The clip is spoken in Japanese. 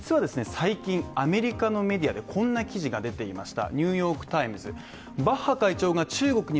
最近、アメリカのメディアでこんな記事が出ていました